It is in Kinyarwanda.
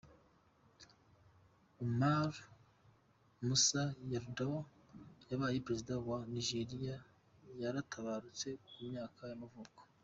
Umaru Musa Yar'Adua, wabaye perezida wa waNigeriya yaratabarutse, ku myaka y’amavuko.